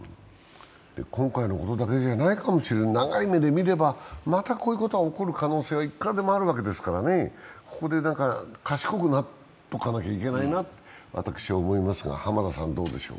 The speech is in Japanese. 今回のことだけじゃないかもしれない、長い目で見れば、またこういうことが起こる可能性はいくらでもあるわけですからここで賢くなっとかなきゃいけないなと私は思いますが。